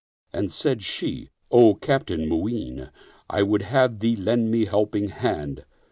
and said she, "O Captain Mu'in, I would have thee lend me a helping hand."